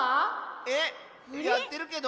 えっやってるけど。